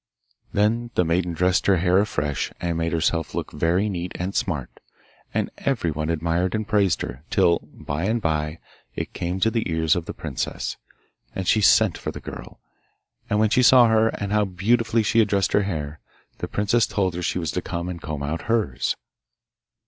Then the maiden dressed her hair afresh, and made herself look very neat and smart, and everyone admired and praised her, till by and bye it came to the ears of the princess. And she sent for the girl, and when she saw her, and how beautifully she had dressed her hair, the princess told her she was to come and comb out hers.